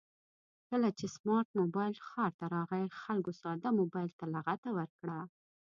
کله چې سمارټ مبایل ښار ته راغی خلکو ساده مبایل ته لغته ورکړه